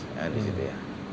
ya di situ ya